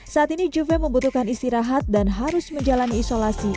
saat ini juve membutuhkan istirahat dan harus menjalani isolasi